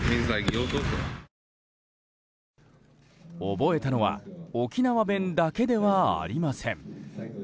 覚えたのは沖縄弁だけではありません。